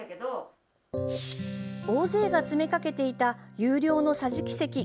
大勢が詰め掛けていた有料の桟敷席。